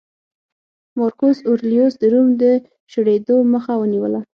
مارکوس اورلیوس د روم د شړېدو مخه ونیوله